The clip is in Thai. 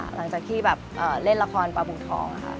หลังจากที่เล่นละครปลาบูค์ทอง